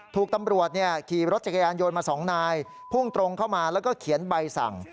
ถูกตำรวจขี่รถจักรยานโยนมา๒นายพุ่งตรงเข้ามาแล้วก็เขียนใบสั่ง